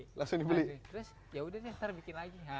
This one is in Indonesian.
terus yaudah nanti bikin lagi